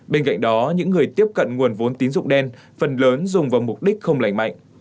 bên cạnh đó những người tiếp cận nguồn vốn tín dụng đen phần lớn dùng vào mục đích không lành mạnh